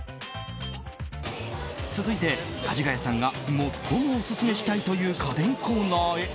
続いて、かじがやさんが最もオススメしたいという家電コーナーへ。